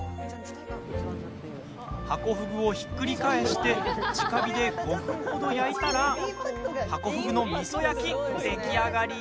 ハコフグをひっくり返してじか火で５分ほど焼いたらハコフグのみそ焼き、出来上がり。